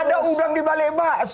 ada udang dibalik bakso